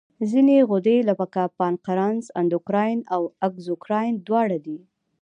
ځینې غدې لکه پانکراس اندوکراین او اګزوکراین دواړه دي.